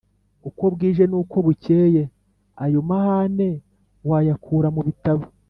Uko bwije n’uko bukeye ayo mahame wayakura mu bitabo